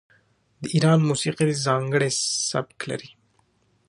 د ایران موسیقي ځانګړی سبک لري.